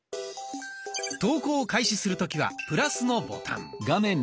投稿を開始する時はプラスのボタン。